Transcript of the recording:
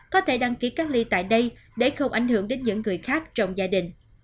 có thể đăng ký cách ly tại đây để không ảnh hưởng đến những người khác trong gia đình